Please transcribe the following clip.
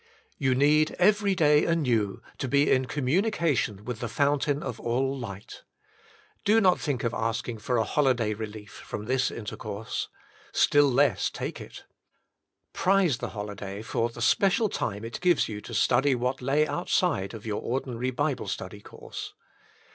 You need every day anew to be in communication with the fountain of all light. Bo not think of asking for a holiday relief from this intercourse. Still less Take it. Prize the holiday for the special time it gives you to study what lay outside your ordinary Bible study course.